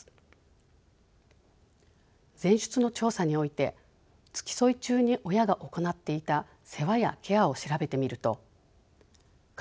前出の調査において付き添い中に親が行っていた世話やケアを調べてみると看護補助者の業務